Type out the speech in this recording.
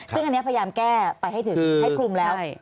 ซึ่งอันนี้พยายามแก้ไปให้ถึงให้คลุมแล้ว